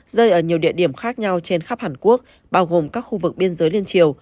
rơi ở nhiều địa điểm khác nhau trên khắp hàn quốc bao gồm các khu vực biên giới liên triều